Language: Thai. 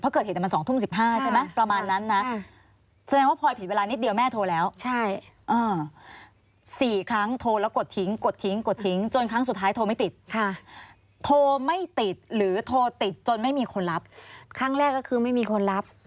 เพราะเกิดเหตุอัน๒ทุ่ม๑๕ใช่ไหมประมาณนั้นนะ